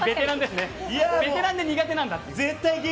ベテランで苦手なんだという。